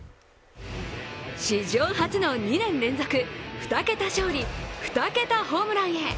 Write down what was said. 史上初の２年連続２桁勝利２桁ホームランへ。